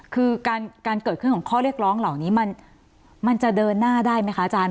คือการเกิดขึ้นของข้อเรียกร้องเหล่านี้มันจะเดินหน้าได้ไหมคะอาจารย์